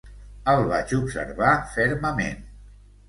El vaig observar fermament.